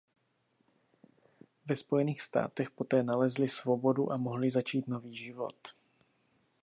Ve Spojených státech poté nalezli svobodu a mohli začít nový život.